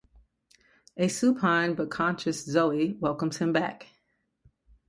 A supine but conscious Zoe welcomes him back.